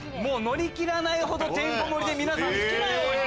のり切らないほどてんこ盛りで皆さん好きなように。